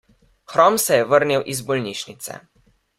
Hrom se je vrnil iz bolnišnice.